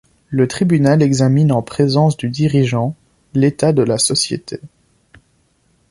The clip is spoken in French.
Le tribunal examine, en présence du dirigeant, l'état de la société.